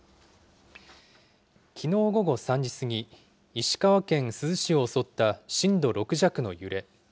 きのう午後３時過ぎ、石川県珠洲市を襲った震度６弱の揺れ。